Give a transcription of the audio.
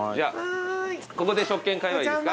ここで食券買えばいいですか？